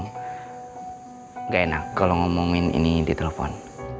tidak enak kalau ngomongin ini di telepon